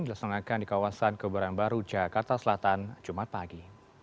diselengangkan di kawasan keberanian baru jakarta selatan jumat pagi